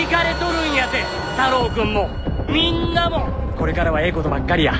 これからはええ事ばっかりや。